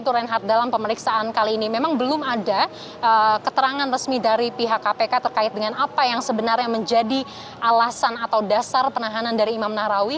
dan terkait dengan hal hal dalam pemeriksaan kali ini memang belum ada keterangan resmi dari pihak kpk terkait dengan apa yang sebenarnya menjadi alasan atau dasar penahanan dari imam nahrawi